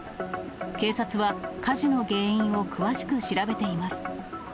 警察は、火事の原因を詳しく調べています。